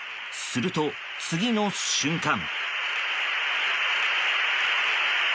すると、次の瞬間。